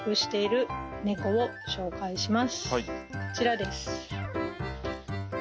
こちらです